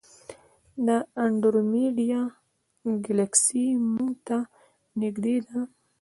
د انډرومیډا ګلکسي موږ ته نږدې ده.